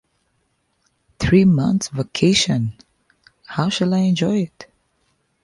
Three months' vacation, — how I shall enjoy it!